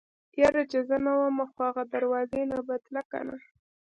يره چې زه نه ومه خو اغه دروازې نه به تله کنه.